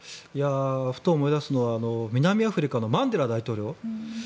ふと思い出すのは南アフリカのマンデラ大統領。